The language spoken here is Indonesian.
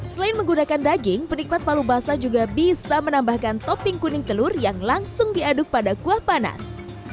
selain menggunakan daging penikmat palu basah juga bisa menambahkan topping kuning telur yang langsung diaduk pada kuah panas